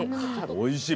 おいしい。